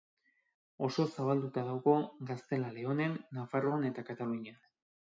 Oso zabalduta dago Gaztela-Leonen, Nafarroan eta Katalunian.